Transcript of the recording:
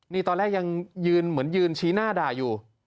นี่ตอนแรกยังยืนเหมือนยืนชี้หน้าด่าอยู่